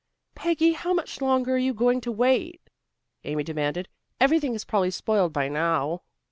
"Peggy, how much longer are you going to wait?" Amy demanded. "Everything is probably spoiled by now."